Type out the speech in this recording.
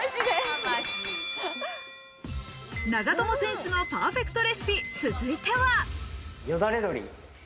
長友選手のパーフェクトレシピ、続いては。